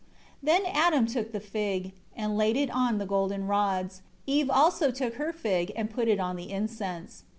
1 Then Adam took the fig, and laid it on the golden rods. Eve also took her fig, and put it on the incense.